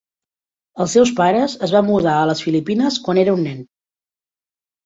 Els seus pares es van mudar a les Filipines quan era un nen.